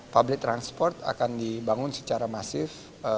public transport akan dibangun secara masif